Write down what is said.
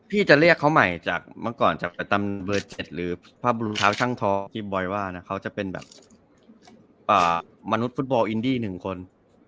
จะเรียกเขาใหม่จากเมื่อก่อนจากประจำเบอร์๗หรือภาพรองเท้าช่างท้อที่บอยว่านะเขาจะเป็นแบบมนุษย์ฟุตบอลอินดี้๑คน